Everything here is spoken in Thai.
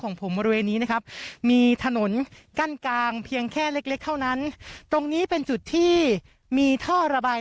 ของผมมารูเวนนะครับ